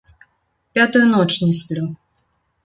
Пятую ноч не сплю.